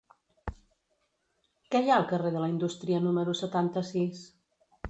Què hi ha al carrer de la Indústria número setanta-sis?